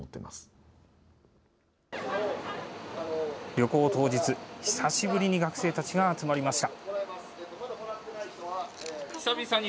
旅行当日、久しぶりに学生たちが集まりました。